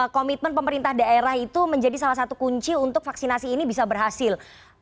komitmen pemerintah daerah itu menjadi salah satu kunci untuk vaksinasi ini bisa berhasil